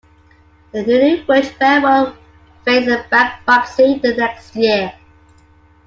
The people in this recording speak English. The newly merged railroad faced bankruptcy the next year.